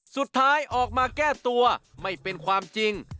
สุดท้ายออกมาแก้ตัวไม่เป็นความจริง